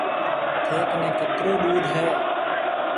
ٿَي ڪنَي ڪيترو ڏوڌ هيَ؟